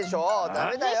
ダメだよ。